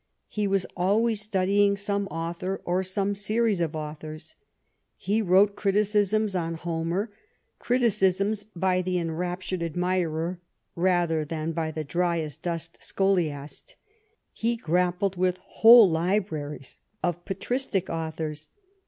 He was always stydying some author or some series of authors. He wrote criticisms on Homer, criticisms by the enraptured admirer rather than by the dry as dust scholiast. He grappled with whole libraries of patristic authors.